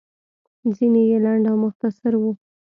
ځينې يې لنډ او مختصر وو.